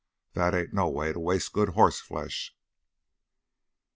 That ain't no way to waste good hoss flesh."